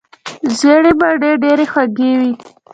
ژېړې مڼې ډېرې خوږې وي.